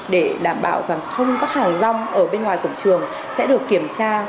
để đảm bảo rằng không các hàng rong ở bên ngoài cổng trường sẽ được kiểm tra